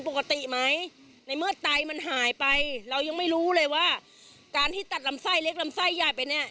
ปกติไหมในเมื่อไตมันหายไปเรายังไม่รู้เลยว่าการที่ตัดลำไส้เล็กลำไส้ใหญ่ไปเนี่ย